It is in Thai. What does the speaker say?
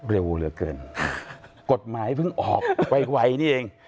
เร็วเหลือเกินกฎหมายเพิ่งออกไวนี่เอง